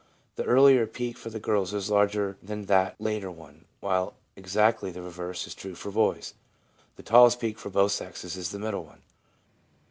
The earlier peak for the girls is larger than the later one, while exactly the reverse is true for boys. The tallest peak for both sexes is the middle one.